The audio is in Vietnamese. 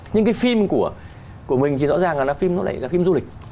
nhưng cái phim của mình thì rõ ràng là phim du lịch